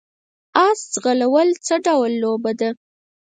اس ځغلول څه ډول لوبه ده؟